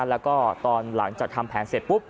แล้วก็ตอนหลังจากทำแผนเสร็จปุ๊บ